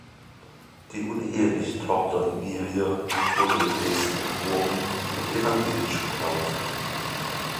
Die uneheliche Tochter Emilie wurde in Dresden geboren und evangelisch getauft.